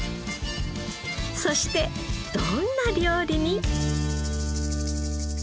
そしてどんな料理に？